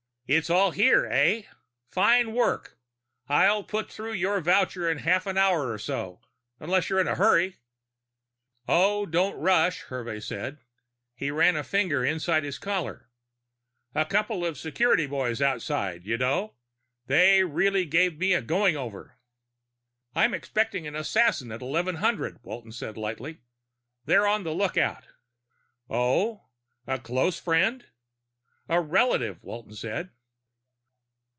"It's all here, eh? Fine work. I'll put through your voucher in half an hour or so, unless you're in a hurry." "Oh, don't rush," Hervey said. He ran a finger inside his collar. "Couple of security boys outside, y'know. They really gave me a going over." "I'm expecting an assassin at 1100," Walton said lightly. "They're on the lookout." "Oh? A close friend?" "A relative," Walton said.